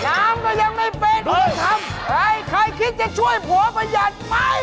ไฟก็ยังไม่เป็นน้ำก็ยังไม่เป็นใครคิดจะช่วยผัวประหยัดไป